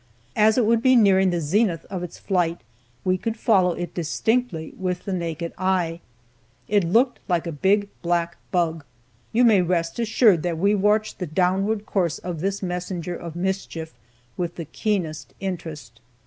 As it would be nearing the zenith of its flight we could follow it distinctly with the naked eye. It looked like a big, black bug. You may rest assured that we watched the downward course of this messenger of mischief with the keenest interest.